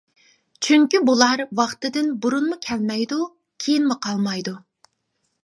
چۈنكى بۇلار ۋاقتىدىن بۇرۇنمۇ كەلمەيدۇ، كېيىنمۇ قالمايدۇ.